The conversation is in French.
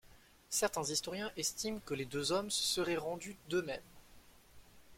Certains historiens estiment que les deux hommes se seraient rendus d'eux-mêmes.